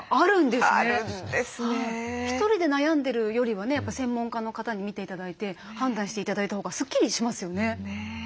１人で悩んでるよりはねやっぱ専門家の方に診て頂いて判断して頂いたほうがスッキリしますよね。